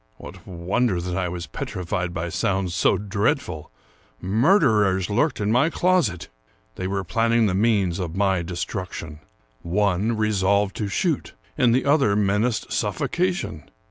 What wonder that I was petrified by sounds so dreadful! Murderers lurked in my closet. They were planning the means of my destruction. One resolved to shoot, and the other menaced suffocation.